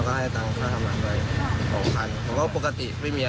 อ๋อให้ตัวออกไป